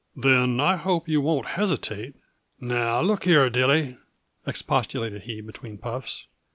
"Then I hope you won't hesitate " "Now look here, Dilly," expostulated he, between puffs.